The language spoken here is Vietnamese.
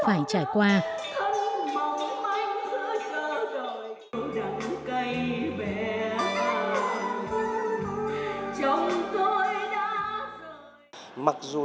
thân mong manh rỡ rỡ rời tổ đẳng cây vẹn chồng tôi đã rời